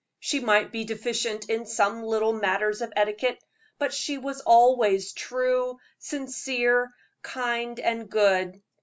She might be deficient in some little matters of etiquette, but she was always true, sincere, kind and good.